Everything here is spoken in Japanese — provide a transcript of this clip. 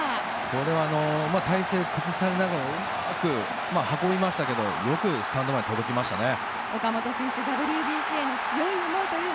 これは体勢を崩されながらよく運びましたがよくスタンドまで届きましたね。